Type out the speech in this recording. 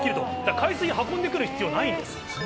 海水を運んでくる必要がないんです。